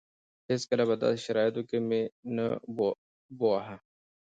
هېڅکله په داسې شرايطو کې مې نه بوه.